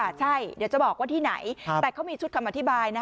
ใช่เดี๋ยวจะบอกว่าที่ไหนแต่เขามีชุดคำอธิบายนะ